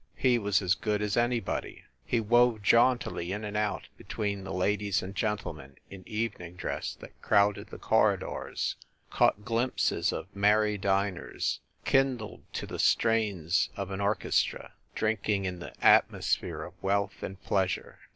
He was as good as anybody. He wove jauntily in and out between the ladies and gentle men in evening dress that crowded the corridors, caught glimpses of merry diners, kindled to the strains of an orchestra, drinking in the atmosphere of wealth and pleasure.